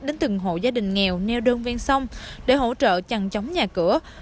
đến từng hộ gia đình nghèo neo đơn ven sông để hỗ trợ chằn chóng nhà cửa